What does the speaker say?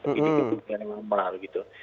ini gedung yang lama begitu